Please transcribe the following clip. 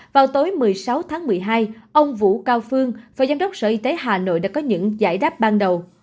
vào tối một mươi sáu tháng một mươi hai ông vũ cao phương phó giám đốc sở y tế hà nội đã có những giải đáp ban đầu